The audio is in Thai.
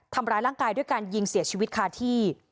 ทำร้ายร่างกายด้วยการยิงเสียชีวิตคาที่